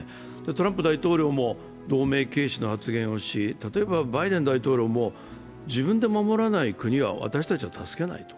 トランプ大統領も同盟軽視の発言をし例えばバイデン大統領も自分で守らない国は私たちは助けないと。